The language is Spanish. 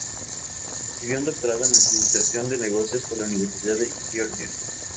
Recibió un doctorado en administración de negocios por la Universidad de Georgia.